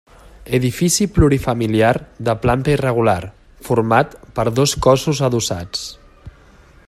Edifici plurifamiliar de planta irregular, format per dos cossos adossats.